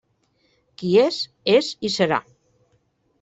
Qui és, és i serà.